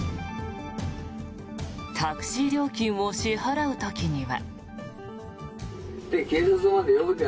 タクシー料金を支払う時には。